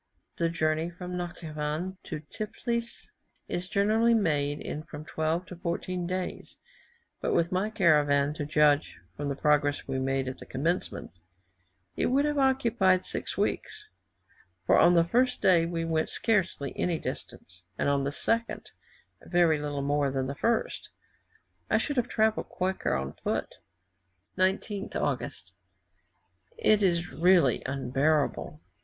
The journey from Natschivan to Tiflis is generally made in from twelve to fourteen days; but with my caravan, to judge from the progress we made at the commencement, it would have occupied six weeks, for on the first day we went scarcely any distance, and on the second, very little more than the first; I should have travelled quicker on foot. 19th August. It is really unbearable.